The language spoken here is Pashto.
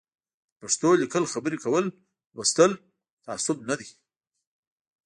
په پښتو لیکل خبري کول لوستل تعصب نه دی